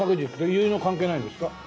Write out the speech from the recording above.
結納関係ないんですか？